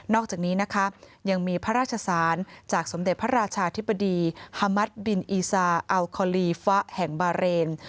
อกจากนี้นะคะยังมีพระราชสารจากสมเด็จพระราชาธิบดีฮามัสบินอีซาอัลคอลีฟะแห่งบาเรน